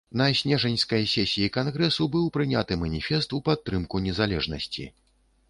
На снежаньскай сесіі кангрэсу быў прыняты маніфест ў падтрымку незалежнасці.